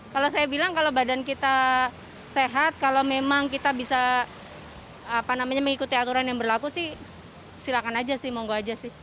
kalau saya bilang kalau badan kita sehat kalau memang kita bisa mengikuti aturan yang berlaku sih silakan aja sih monggo aja sih